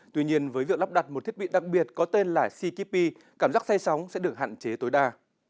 tuy nhiên với việc lắp đặt một thiết bị đặc biệt có tên là sea keeper cảm giác xay sóng sẽ được hạn chế tối đa